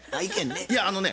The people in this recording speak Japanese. いやあのね